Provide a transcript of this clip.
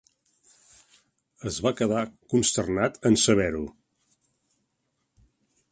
Es va quedar consternat en saber-ho.